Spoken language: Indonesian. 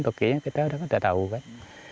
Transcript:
toke nya kita udah tau kan